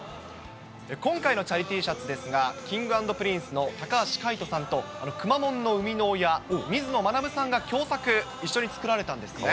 今回のチャリＴシャツですが、Ｋｉｎｇ＆Ｐｒｉｎｃｅの高橋海人さんとくまモンの生みの親、水野学さんが共作、一緒に作られたんですね。